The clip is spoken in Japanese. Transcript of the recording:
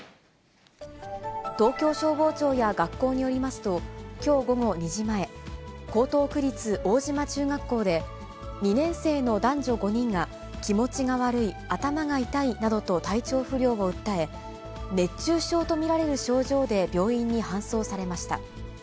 東京消防庁や学校によりますと、きょう午後２時前、江東区立大島中学校で、２年生の男女５人が、気持ちが悪い、頭が痛いなどと体調不良を訴え、熱中症と見られる症状で病院に搬送されました。